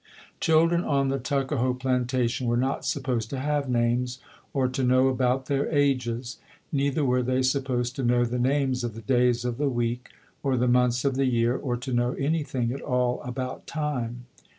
Children on the Tuckahoe plantation were not supposed to have names or to know about their ages. Neither were they supposed to know the names of the days of the week or the months of the year, or to know anything at all about time.